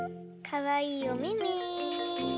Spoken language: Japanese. かわいいおめめ。